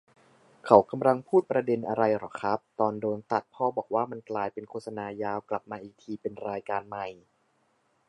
เขากำลังพูดประเด็นอะไรเหรอครับ ตอนโดนตัด พ่อบอกว่ามันกลายเป็นโฆษณายาว กลับมาอีกทีเป็นรายการใหม่